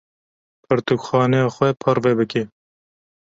Pirtûkxaneya xwe parve bike.